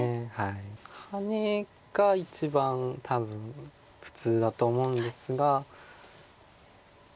ハネが一番多分普通だと思うんですが。